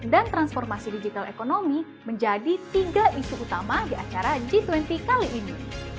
dan transformasi digital ekonomi menjadi tiga isu utama di acara g dua puluh kali ini